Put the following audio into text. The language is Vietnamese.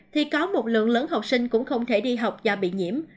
thì có một lượng lớn học sinh cũng không thể đi học do bị nhiễm